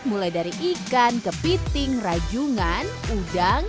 mulai dari ikan kepiting rajungan udang